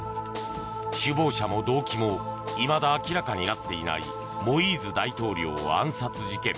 首謀者も動機もいまだ明らかになっていないモイーズ大統領暗殺事件。